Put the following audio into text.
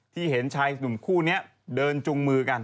เห็นชายหนุ่มคู่นี้เดินจุงมือกัน